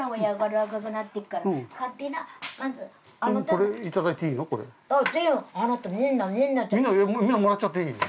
これいただいていいの？